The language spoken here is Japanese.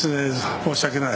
申し訳ない。